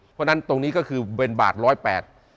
เพราะฉะนั้นตรงนี้ก็คือเบนบาทร้อยแปด